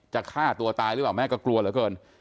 ฆ่าตัวตายหรือเปล่าแม่ก็กลัวเหลือเกิน